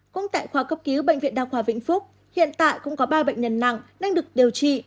cũng tại khoa cấp cứu bệnh viện đa khoa vĩnh phúc hiện tại cũng có ba bệnh nhân nặng đang được điều trị